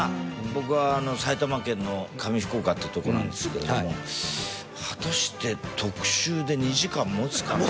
僕は埼玉県の上福岡っていうとこなんですけれども果たして特集で２時間もつかな？